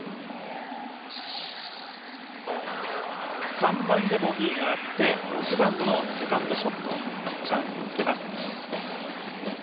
３番でボギーがあって６番のセカンドショットチャンスにつけます。